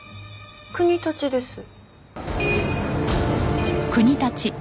国立です。